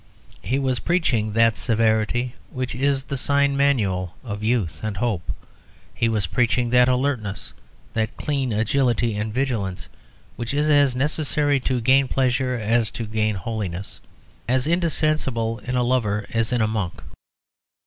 He was preaching that severity which is the sign manual of youth and hope. He was preaching that alertness, that clean agility and vigilance, which is as necessary to gain pleasure as to gain holiness, as indispensable in a lover as in a monk.